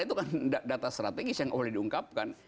itu kan data strategis yang boleh diungkapkan